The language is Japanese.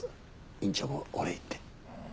院長もお礼言って。